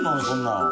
そんなの。